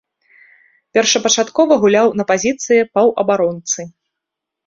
Першапачаткова гуляў на пазіцыі паўабаронцы.